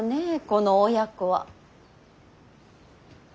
この親子は。